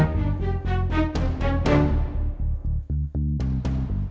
tidak akan removed